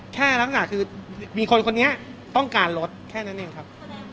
แค่ลักษณะคือมีคนคนนี้ต้องการรถแค่นั้นเองครับ